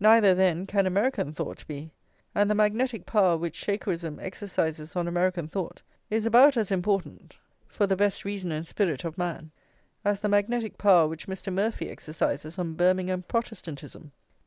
Neither, then, can American thought be; and the magnetic power which Shakerism exercises on American thought is about as important, for the best reason and spirit of man, as the magnetic power which Mr. Murphy exercises on Birmingham Protestantism.